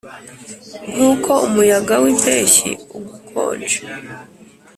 nkuko umuyaga wimpeshyi ugukonje,